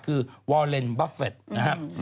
คือวอเลนบัฟเฟตนะครับ